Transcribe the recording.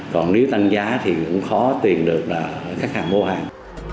còn nếu tăng giá thì cũng khó tiền được các hàng mua hàng